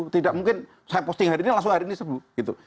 tidak mungkin saya posting hari ini langsung hari ini sembuh gitu